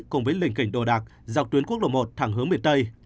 cùng với lình đồ đạc dọc tuyến quốc lộ một thẳng hướng miền tây